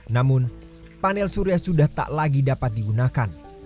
namun panel surya sudah tak lagi dapat digunakan